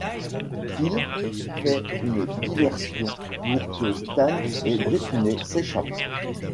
Kyle fait une diversion pour que Stan et Britney s'échappent.